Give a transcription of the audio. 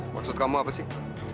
maksud kamu apa sih